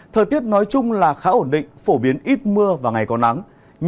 thời tiết nói chung là khá ổn định phổ biến ít mưa và ngày có nắng